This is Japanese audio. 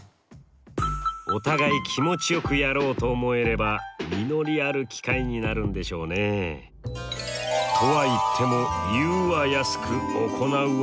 お互い気持ちよくやろうと思えれば実りある機会になるんでしょうね。とは言っても「言うは易く行うは難し」。